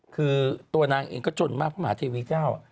คือตัวนางเองก็จนมากพระมหาเทวีเจ้า